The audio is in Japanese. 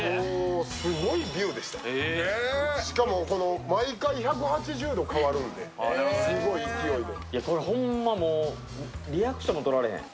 しかも、毎回１８０度変わるんで、すごい勢いで。